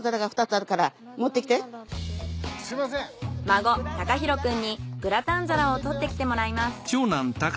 孫隆広くんにグラタン皿を取ってきてもらいます。